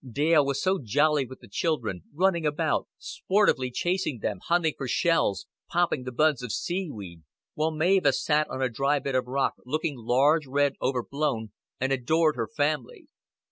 Dale was so jolly with the children, running about, sportively chasing them, hunting for shells, popping the buds of seaweed; while Mavis sat on a dry bit of rock, looking large, red, overblown, and adored her family.